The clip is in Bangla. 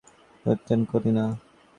কে আসে বা কে যায়, তাতে আমি ভ্রূক্ষেপ করি না।